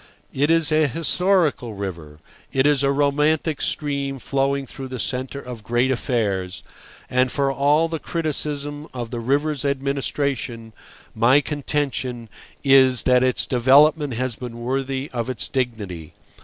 It is an historical river; it is a romantic stream flowing through the centre of great affairs, and for all the criticism of the river's administration, my contention is that its development has been worthy of its dignity.